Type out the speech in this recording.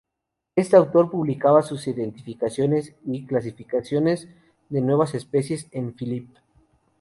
Este autor publicaba sus identificaciones y clasificaciones de nuevas especies en "Philipp.